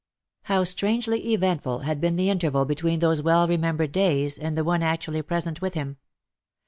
How strangely eventful had been the interval between those well remembered days, and the one actually present with him